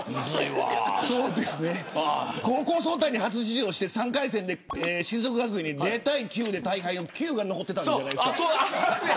高校総体に初出場して３回戦で静岡学園に０対９で大敗の９が残ってたんじゃないですか。